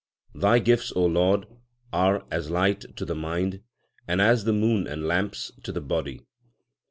Thy gifts, Lord, are as light to the mind, and as the moon and lamps to the body.